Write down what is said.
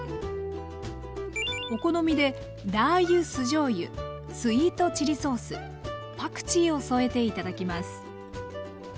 お好みでラー油酢じょうゆスイートチリソースパクチーを添えて頂きます。